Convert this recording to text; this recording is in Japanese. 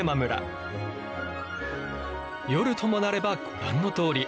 夜ともなればご覧のとおり。